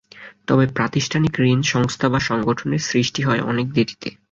তবে প্রাতিষ্ঠানিক ঋণ সংস্থা বা সংগঠনের সৃষ্টি হয় অনেক দেরিতে।